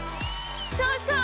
そうそう！